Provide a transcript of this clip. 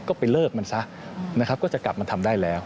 ก็ไปเลิกมันซะนะครับก็จะกลับมาทำได้แล้ว